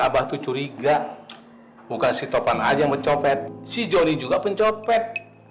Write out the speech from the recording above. bukan si topan aja yang mencopet si jody juga pencopet